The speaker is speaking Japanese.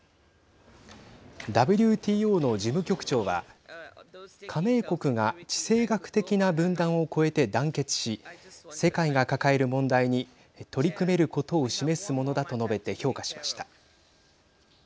ＷＴＯの事務局長は加盟国が地政学的な分断を超えて団結し世界が抱える問題に取り組めることを示すものだと述べて評価しました。